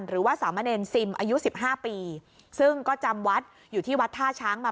หรือว่าสามเณรซิมอายุสิบห้าปีซึ่งก็จำวัดอยู่ที่วัดท่าช้างมา